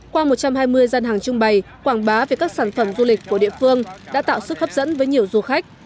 qua một trăm hai mươi gian hàng trưng bày quảng bá về các sản phẩm du lịch của địa phương đã tạo sức hấp dẫn với nhiều du khách